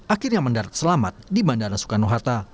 akhirnya mendarat selamat di bandara soekarno hatta